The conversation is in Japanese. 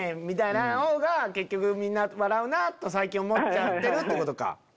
みたいなのがみんな笑うなと最近思っちゃってるってことか。